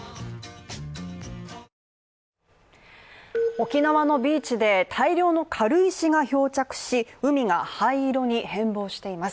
沖縄のビーチで大量の軽石が漂着し海が灰色に変貌しています。